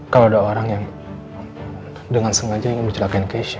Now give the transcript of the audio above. kalau ada orang yang dengan sengaja ingin mencelakai keisha